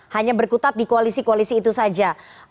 hanya berkutat di koalisi koalisi itu saja